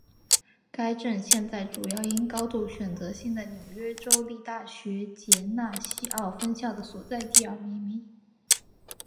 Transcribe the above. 该镇现在主要因高度选择性的纽约州立大学杰纳西奥分校的所在地而闻名。